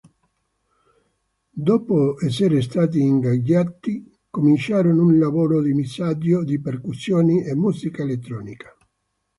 Dopo essere stati ingaggiati, cominciarono un lavoro di mixaggio di percussioni e musica elettronica.